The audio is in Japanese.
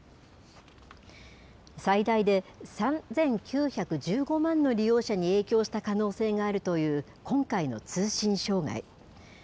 最大で３９１５万の利用者に影響した可能性があるという今回の通信障害。